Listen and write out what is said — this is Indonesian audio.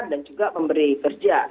dan juga pemberi kerja